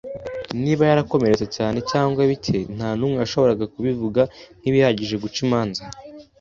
Niba yarakomeretse cyane cyangwa bike, nta numwe washoboraga kubivuga. Nkibihagije, guca imanza